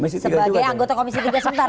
sebagai anggota komisi tiga sementara